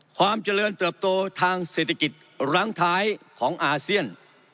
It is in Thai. ความเจริญเติบโตทางเศรษฐกิจรั้งท้ายของอาเซียน